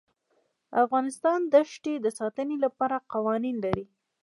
افغانستان د ښتې د ساتنې لپاره قوانین لري.